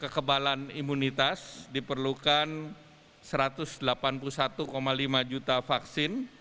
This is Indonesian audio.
kekebalan imunitas diperlukan satu ratus delapan puluh satu lima juta vaksin